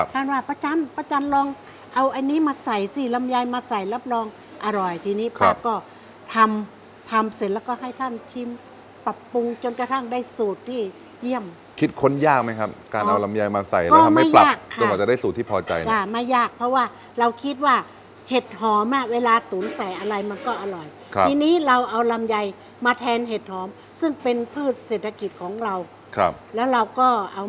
ทำทำเสร็จแล้วก็ให้ท่านชิมปรับปรุงจนกระทั่งได้สูตรที่เยี่ยมคิดค้นยากไหมครับการเอาลำยัยมาใส่แล้วทำให้ปรับจนกว่าจะได้สูตรที่พอใจค่ะไม่ยากเพราะว่าเราคิดว่าเห็ดหอมอ่ะเวลาตุ๋นใส่อะไรมันก็อร่อยครับทีนี้เราเอาลำยัยมาแทนเห็ดหอมซึ่งเป็นพืชเศรษฐกิจของเราครับแล้วเราก็